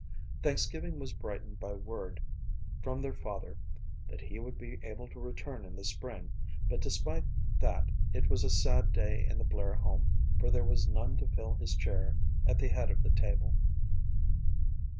Thanksgiving was brightened by word from their father that he would be able to return home in the spring but despite that it was a sad day in the Blair home for there was none to fill his chair at the head of the table.